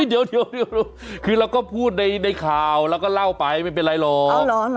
เดี๋ยวคือเราก็พูดในข่าวแล้วก็เล่าไปไม่เป็นไรหรอก